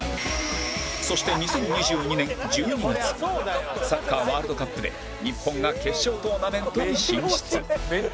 そして２０２２年１２月サッカーワールドカップで日本が決勝トーナメントに進出